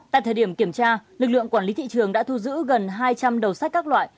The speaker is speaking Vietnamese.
tại thời điểm kiểm tra lực lượng quản lý thị trường đã thu giữ gần hai trăm linh đầu sách các loại